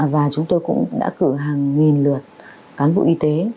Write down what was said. và chúng tôi cũng đã cử hàng nghìn lượt cán bộ y tế